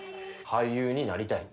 俳優になりたい。